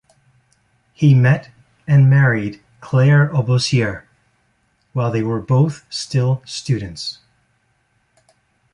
He met and married Claire Oboussier while they were both still students.